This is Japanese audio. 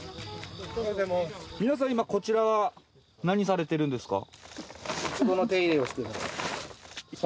皆さん今こちらは何されてるんですか？